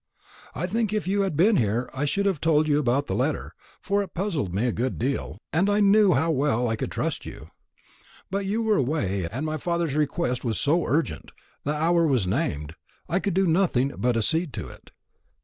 "I think, if you had been here, I should have told you about the letter, for it puzzled me a good deal, and I knew how well I could trust you. But you were away; and my father's request was so urgent the hour was named I could do nothing but accede to it.